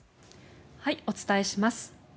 お伝えします。